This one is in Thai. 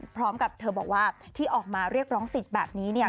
พร้อมกับเธอบอกว่าที่ออกมาเรียกร้องสิทธิ์แบบนี้เนี่ย